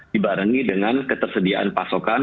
dibarengi dengan ketersediaan pasokan